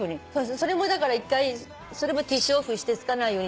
それもだから一回ティッシュオフして付かないように。